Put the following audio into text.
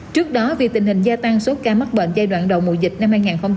trước đó việc tình hình gia tăng số ca mắc bệnh giai đoạn đầu mùa dịch năm hai nghìn hai mươi